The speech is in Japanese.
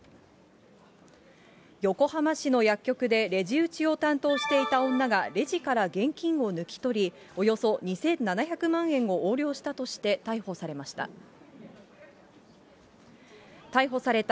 横浜市の薬局でレジ打ちを担当していた女が、レジから現金を抜き取り、およそ２７００万円を横領したとして逮捕されました。